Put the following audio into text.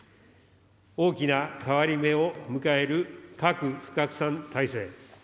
大きな変わり目を迎える、核不拡散体制。